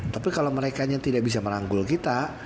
tapi kalau mereka nya tidak bisa merangkul kita